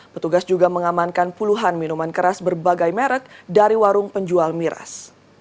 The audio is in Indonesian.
petugas juga mengamankan puluhan minuman keras berbagai merek dari warung penjual miras